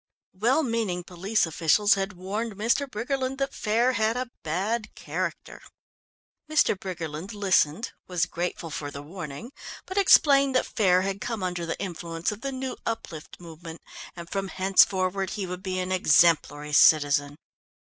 Well meaning police officials had warned Mr. Briggerland that Faire had a bad character. Mr. Briggerland listened, was grateful for the warning, but explained that Faire had come under the influence of the new uplift movement, and from henceforward he would be an exemplary citizen.